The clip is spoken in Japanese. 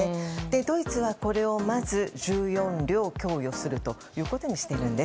ドイツはこれをまず１４両供与することにしているんでです。